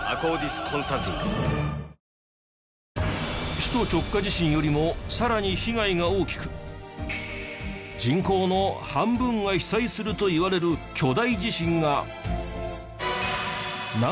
首都直下地震よりも更に被害が大きく人口の半分が被災するといわれる巨大地震が。